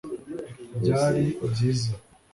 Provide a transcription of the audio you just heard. byari byiza